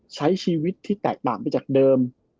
ใช้ชีวิตที่แตกต่างไปจากเดิม